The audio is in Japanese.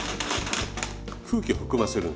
空気を含ませる。